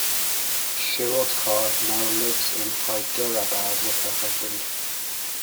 Shirodkar now lives in Hyderabad with her husband.